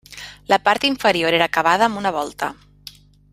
La part inferior era acabada amb una volta.